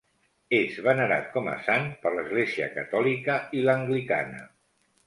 És venerat com a sant per l'Església catòlica i l'anglicana.